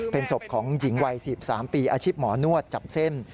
เป็นศพของหญิงวัย๑๓ปีอาชีพหมอนวดจับเส้น